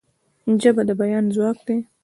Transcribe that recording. ژبه د بیان ځواک ده.